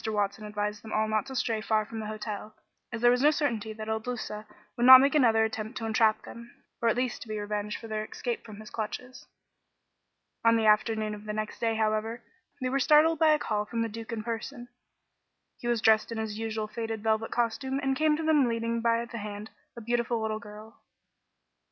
Watson advised them all not to stray far from the hotel, as there was no certainty that Il Duca would not make another attempt to entrap them, or at least to be revenged for their escape from his clutches. On the afternoon of the next day, however, they were startled by a call from the Duke in person. He was dressed in his usual faded velvet costume and came to them leading by the hand a beautiful little girl.